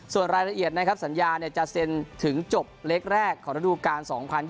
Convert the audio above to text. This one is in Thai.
ส่วนรายละเอียดนะครับสัญญาจะเซ็นถึงจบเล็กแรกของระดูการ๒๐๒๐